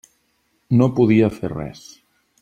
No podia fer res.